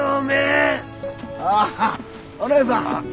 あっお姉さん。